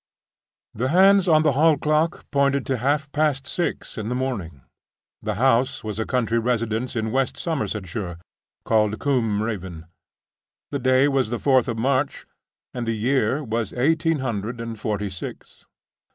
The hands on the hall clock pointed to half past six in the morning. The house was a country residence in West Somersetshire, called Combe Raven. The day was the fourth of March, and the year was eighteen hundred and forty six.